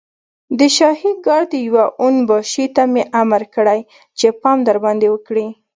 د شاهي ګارډ يوه اون باشي ته مې امر کړی چې پام درباندې وکړي.